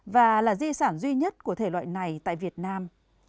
và là di sản duy nhất của thể loại này tại việt nam